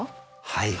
はい。